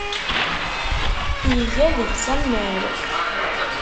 Iga deg-s annar.